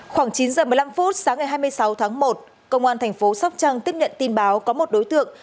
khoảng chín h một mươi năm sáng ngày hai mươi sáu tháng một công an tp sóc trăng tiếp nhận tin báo có một đối tượng